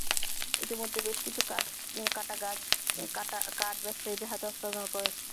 ইতিমধ্যে বেশ কিছু কাটা গাছ কাঠ ব্যবসায়ীদের কাছে হস্তান্তর করা হয়েছে।